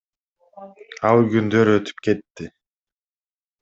Ал күндөр өтүп кетти.